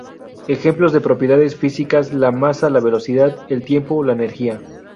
Ejemplos de propiedades físicas: la masa, la velocidad, el tiempo, la energía.